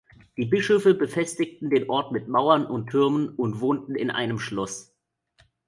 Die Bischöfe befestigten den Ort mit Mauern und Türmen und wohnten in einem Schloss.